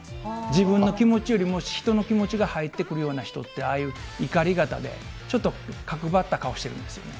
自分の気持ちよりも人の気持ちが入ってくるような人って、ああいう、いかり肩で、ちょっと角ばった顔してるんですよね。